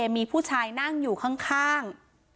มีผู้ชายนั่งอยู่ข้าง